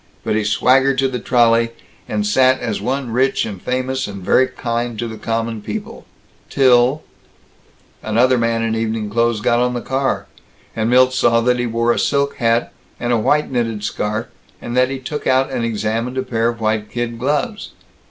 But he swaggered to the trolley, and sat as one rich and famous and very kind to the Common People, till Another man in evening clothes got on the car, and Milt saw that he wore a silk hat, and a white knitted scarf; that he took out and examined a pair of white kid gloves.